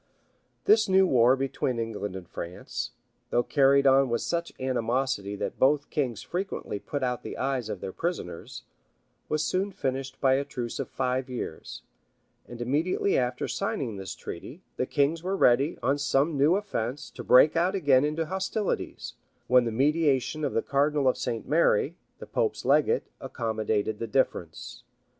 [] This new war between England and France, though carried on with such animosity that both kings frequently put out the eyes of their prisoners, was soon finished by a truce of five years; and immediately after signing this treaty, the kings were ready, on some new offence, to break out again into hostilities, when the mediation of the cardinal of St. Mary, the pope's legate, accommodated the difference.